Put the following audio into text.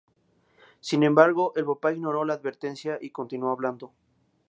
Sin embargo, el Papa ignoró la advertencia y continuó hablando.